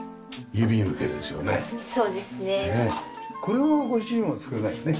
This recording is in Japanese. これはご主人は作らないよね？